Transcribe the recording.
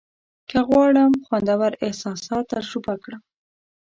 که غواړم خوندور احساسات تجربه کړم.